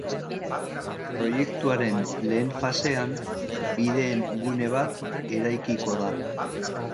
Proiektuaren lehen fasean, bideen gune bat eraikiko da.